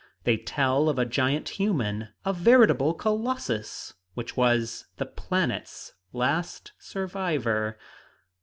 They tell of a giant human, a veritable colossus, who was the planet's last survivor.